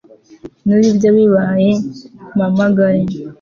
niba ibyo bibaye, umpamagare